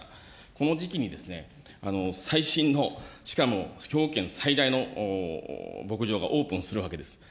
この時期に最新の、しかも兵庫県最大の牧場がオープンするわけです。